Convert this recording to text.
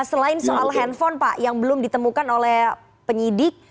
selain soal handphone pak yang belum ditemukan oleh penyidik